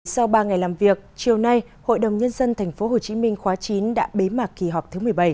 sau ba ngày làm việc chiều nay hội đồng nhân dân tp hcm khóa chín đã bế mạc kỳ họp thứ một mươi bảy